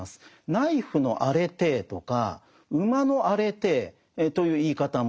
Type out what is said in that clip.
ナイフのアレテーとか馬のアレテーという言い方もあるんです。